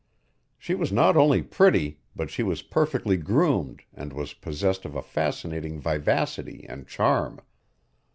She was not only pretty but she was perfectly groomed and was possessed of a fascinating vivacity and charm.